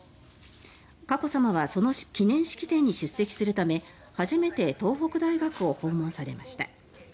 佳子さまはその記念式典に出席するため初めて東北大学を訪問されました。